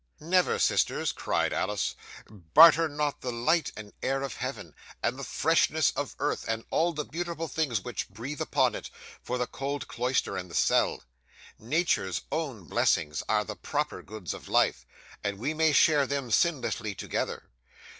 '"Never, sisters," cried Alice. "Barter not the light and air of heaven, and the freshness of earth and all the beautiful things which breathe upon it, for the cold cloister and the cell. Nature's own blessings are the proper goods of life, and we may share them sinlessly together.